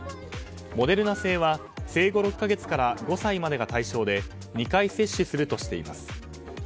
モデルナ製は生後６か月から５歳までが対象で２回接種するとしています。